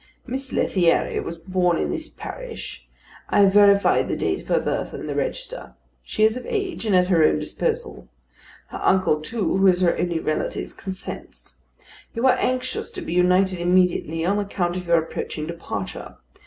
Miss Lethierry was born in this parish; I have verified the date of her birth in the register. She is of age, and at her own disposal. Her uncle, too, who is her only relative, consents. You are anxious to be united immediately on account of your approaching departure.